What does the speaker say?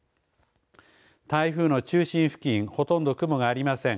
台風の中心付近ほとんど雲がありません。